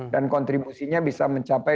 dan kontribusinya bisa mencapai